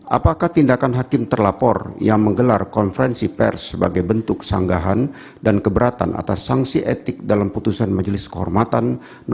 apakah tindakan hakim terlapor yang menggelar konferensi pers sebagai bentuk sanggahan dan keberatan atas sanksi etik dalam putusan majelis kehormatan